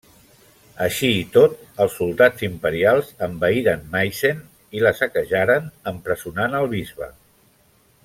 Així i tot, els soldats imperials envaïren Meissen i la saquejaren, empresonant el bisbe.